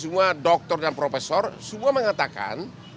semua dokter dan profesor semua mengatakan